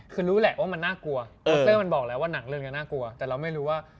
คือรู้แหละว่ามันน่ากลัว